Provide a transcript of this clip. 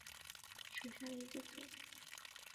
多芒复叶耳蕨为鳞毛蕨科复叶耳蕨属下的一个种。